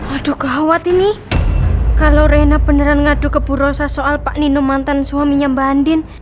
aduh gawat ini kalau rena beneran ngadu ke bu rosa soal pak nino mantan suaminya mbak andin